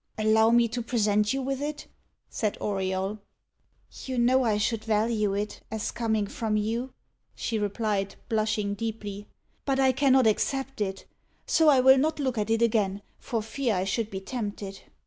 "Allow me to present you with it?" said Auriol. "You know I should value it, as coming from you," she replied, blushing deeply; "but I cannot accept it; so I will not look at it again, for fear I should be tempted."